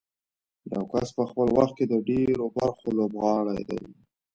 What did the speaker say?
یو کس په خپل وخت کې د ډېرو برخو لوبغاړی دی.